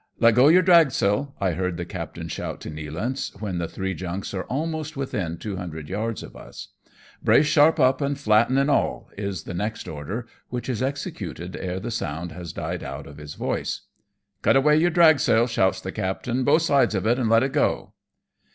" Let go your dragsail," I hear the captain shout to Nealance, when the three junks are almost within two hundred yards of us. " Brace sharp up and flatten in all," is the next order, which is executed ere the sound has died out of his voice, " Cut away your dragsail," shouts the captain, " both sides of it, and let it go."